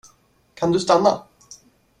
Kan du stanna?